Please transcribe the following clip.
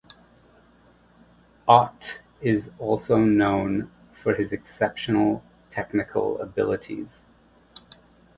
Ott is also known for his exceptional technical abilities.